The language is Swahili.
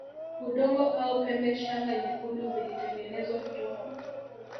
udongo au pembe Shanga nyekundu zilitengenezwa kutoka